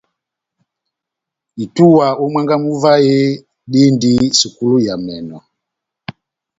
Itúwa ó mwángá mú vahe dindi sukulu ya emɛnɔ.